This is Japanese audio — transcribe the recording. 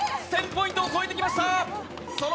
１０００ポイントを超えてきました。